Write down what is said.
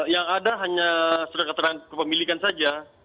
yang ada hanya surat keterangan kepemilikan saja